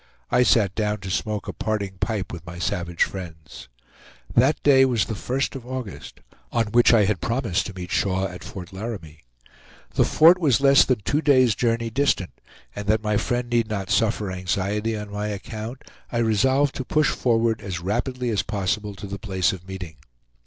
I sat down to smoke a parting pipe with my savage friends. That day was the 1st of August, on which I had promised to meet Shaw at Fort Laramie. The Fort was less than two days' journey distant, and that my friend need not suffer anxiety on my account, I resolved to push forward as rapidly as possible to the place of meeting.